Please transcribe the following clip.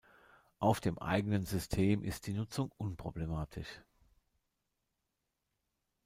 Auf dem eigenen System ist die Nutzung unproblematisch.